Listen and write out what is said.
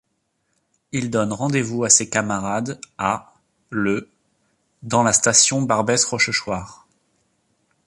Il donne rendez-vous à ses camarades à le dans la station Barbès - Rochechouart.